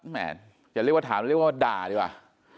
แม่จะเรียกว่าถามเรียกว่าด่าดีกว่า